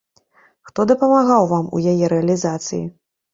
Хто дапамагаў вам у яе рэалізацыі?